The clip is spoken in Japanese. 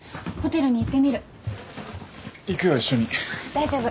大丈夫。